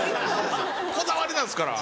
こだわりなんですから。